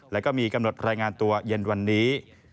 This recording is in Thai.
แล้วก็มีกำหนดรายงานตัวเย็นวันนี้